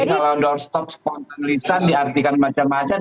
jadi kalau doorstop spontanelisan diartikan macam macam